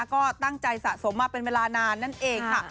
ก็ตั้งใจสะสมมาเป็นเวลานานนั่นเองค่ะ